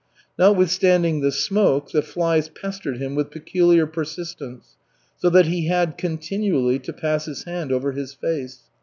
Notwithstanding the smoke, the flies pestered him with peculiar persistence, so that he had continually to pass his hand over his face.